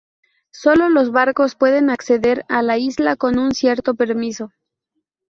Solo los barcos pueden acceder a la isla con un cierto permiso.